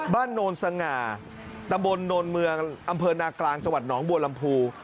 บ้านนรสง่าตำบลนรเมืองอำเภอนากลางจวัตน์หนองบัวลำภู